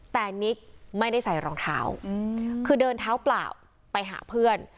แต่นิกไม่ได้ใส่รองเท้าคือเดินเท้าเปล่าไปหาเพื่อน